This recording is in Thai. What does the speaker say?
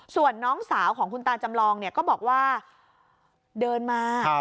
ส่วนน้องสาวของคุณตาจำลองเนี่ยก็บอกว่าเดินมา